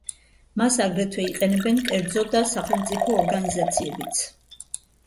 მას აგრეთვე იყენებენ კერძო და სახელმწიფო ორგანიზაციებიც.